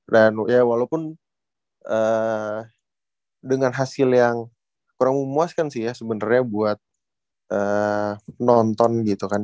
dan ya walaupun dengan hasil yang kurang memuaskan sih ya sebenernya buat nonton gitu kan